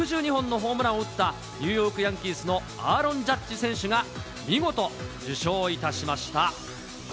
ことし６２本のホームランを打った、ニューヨークヤンキースのアーロン・ジャッジ選手が、見事受賞いたしました。